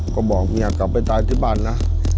ก็บอกเนี่ยกลับไปตายที่บ้านนะ